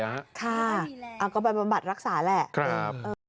ค่ะเอาก็ไปบำบัดรักษาแหละเออครับ